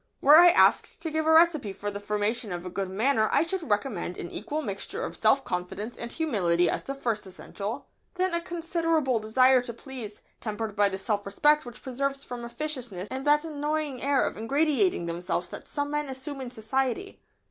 ] Were I asked to give a recipe for the formation of a good manner I should recommend an equal mixture of self confidence and humility as the first essential, then a considerable desire to please, tempered by the self respect which preserves from officiousness and that annoying air of "ingratiating" themselves that some men assume in society.